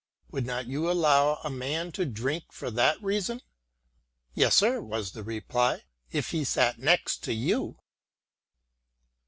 Would not you allow a man to drink for that reason ?"" Yes, sir," was the reply, " if he sat next you."